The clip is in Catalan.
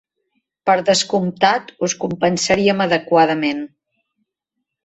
Per descomptat, us compensaríem adequadament.